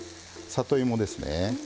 里芋ですね。